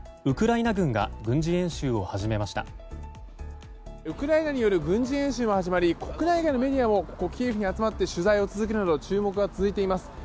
ウクライナによる軍事演習も始まり国内外のメディアもキエフに集まって取材を続けるなど注目が続いています。